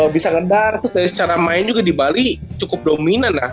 bisa ngedar terus dari secara main juga di bali cukup dominan lah